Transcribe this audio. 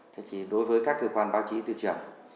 thế thì đối với các cơ quan báo chí tuyên truyền